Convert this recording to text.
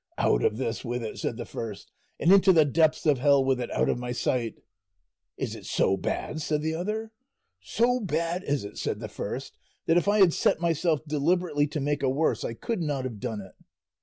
'Out of this with it,' said the first, 'and into the depths of hell with it out of my sight.' 'Is it so bad?' said the other. 'So bad is it,' said the first, 'that if I had set myself deliberately to make a worse, I could not have done it.